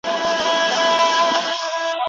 موږ تبعیدیان